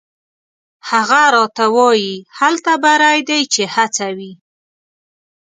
هغه راته وایي: «هلته بری دی چې هڅه وي».